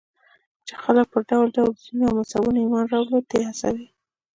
چې خلک پر ډول ډول دينونو او مذهبونو ايمان راوړلو ته وهڅوي.